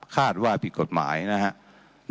คาดว่าผิดกฎหมายนะฮะ